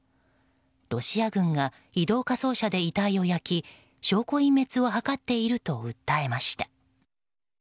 ロシア軍が移動火葬車で遺体を焼き証拠隠滅を図っていると訴えました。